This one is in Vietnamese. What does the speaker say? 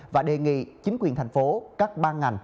và đề nghị chính quyền thành phố các ban ngành